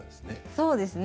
そうですね